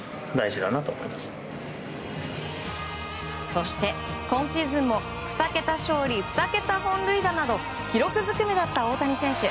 そして、今シーズンも２桁勝利２桁本塁打など記録ずくめだった大谷選手。